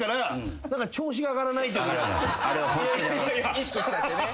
意識しちゃってね。